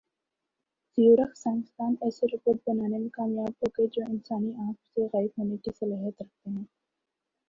Zurich science دان ایسے robot بنانے میں کامیاب ہوگئے ہیں جو انسانی آنکھ سے غائب ہونے کی صلاحیت رکھتے ہیں